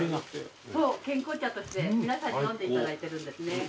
そう健康茶として皆さんに飲んでいただいてるんですね。